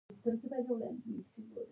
سړي وویل امکان نه لري.